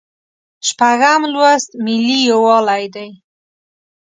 شپږم لوست ملي یووالی دی.